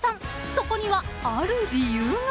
［そこにはある理由が］